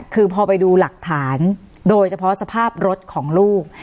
คือพอไปดูหลักฐานโดยเฉพาะสภาพรถของลูก